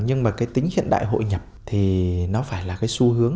nhưng mà cái tính hiện đại hội nhập thì nó phải là cái xu hướng